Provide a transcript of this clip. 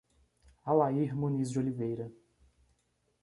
Alair Muniz de Oliveira